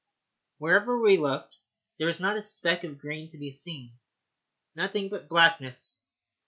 Wherever we looked there was not a speck of green to be seen nothing but blackness.